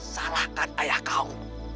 salahkan ayah kau